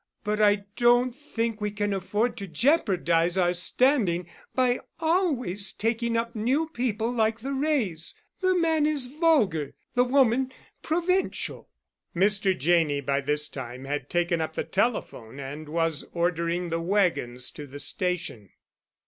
But I don't think we can afford to jeopardize our standing by always taking up new people like the Wrays. The man is vulgar—the woman, provincial." Mr. Janney by this time had taken up the telephone and was ordering the wagons to the station.